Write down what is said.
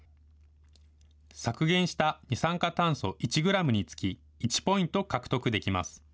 削減した二酸化炭素１グラムにつき１ポイント獲得できます。